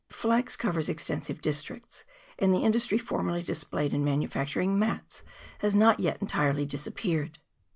Flax covers extensive districts; and the industry formerly displayed in manufacturing mats has not yet entirely disappeared.